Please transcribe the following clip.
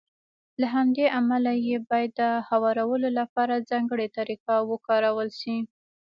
له همدې امله يې بايد د هوارولو لپاره ځانګړې طريقه وکارول شي.